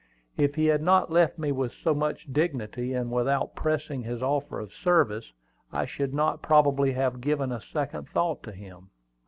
If he had not left me with so much dignity, and without pressing his offer of service, I should not probably have given a second thought to him.